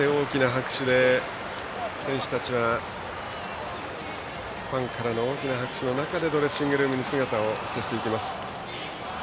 選手たちはファンからの大きな拍手の中でドレッシングルームに姿を消していきます。